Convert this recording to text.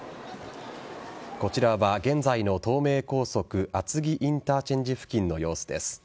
こちらは現在の東名高速厚木インターチェンジ付近の様子です。